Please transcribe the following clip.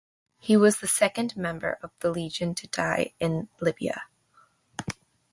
He was the second member of the Legion to die in Libya.